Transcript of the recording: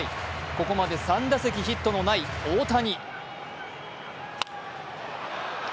ここまで３打席ヒットのない大谷。